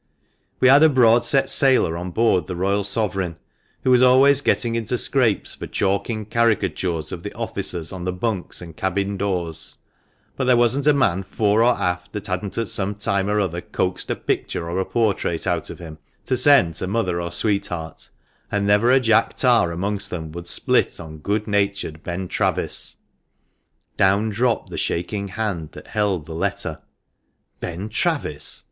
"We had a broad set sailor on board the Royal Sovereign, who was always getting into scrapes for chalking caricatures of THE MANCHESTER MAN. 4*5 the officers on the bunks and cabin doors ; but there wasn't a man fore or aft that hadn't at some time or other coaxed a picture or portrait out of him, to send to mother or sweetheart, and never a Jack Tar amongst them would split on good natured Ben Travis." Down dropped the shaking hand that held the letter. Ben Travis